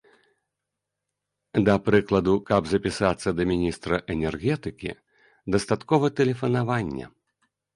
Да прыкладу, каб запісацца да міністра энергетыкі, дастаткова тэлефанавання.